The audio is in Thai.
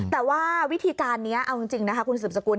แต่ว่าวิธีการนี้เอาจริงคุณศึกษกุล